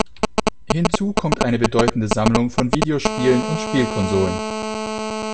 Hinzu kommt eine bedeutende Sammlung von Videospielen und Spielkonsolen.